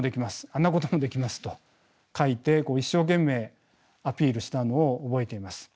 あんなこともできますと書いて一生懸命アピールしたのを覚えています。